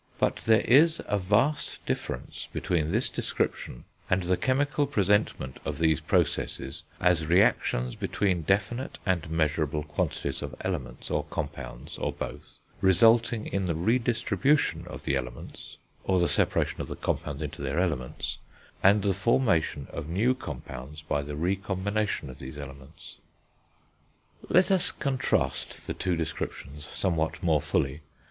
But there is a vast difference between this description and the chemical presentment of these processes as reactions between definite and measurable quantities of elements, or compounds, or both, resulting in the re distribution, of the elements, or the separation of the compounds into their elements, and the formation of new compounds by the re combination of these elements. Let us contrast the two descriptions somewhat more fully.